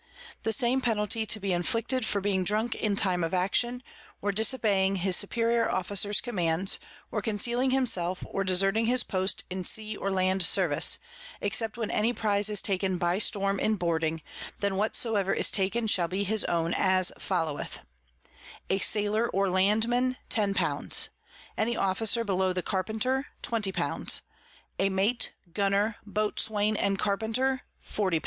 The same Penalty to be inflicted for being drunk in time of Action, or disobeying his superior Officer's Commands, or concealing himself, or deserting his Post in Sea or Land Service; except when any Prize is taken by Storm in Boarding, then whatsoever is taken shall be his own, as followeth: A Sailor or Landman_ 10 l. Any Officer below the Carpenter 20 l. A Mate, Gunner, Boatswain, and Carpenter 40 l.